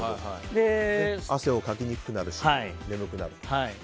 汗をかきにくくなるし眠くなると。